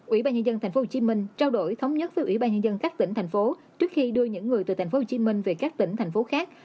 ủy ban nhân dân tp hcm trao đổi thống nhất với ủy ban nhân dân các tỉnh thành phố trước khi đưa những người từ tp hcm về các tỉnh thành phố khác